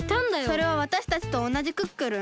それはわたしたちとおなじクックルン？